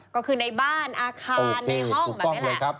ก็คือในบ้านอาคารในห้องแบบนี้แหละ